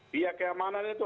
biar keamanan itu